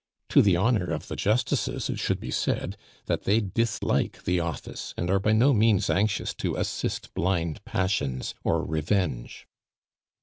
To the honor of the Justices, it should be said, that they dislike the office, and are by no means anxious to assist blind passions or revenge.